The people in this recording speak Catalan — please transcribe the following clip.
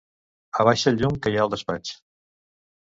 Abaixa el llum que hi ha al despatx.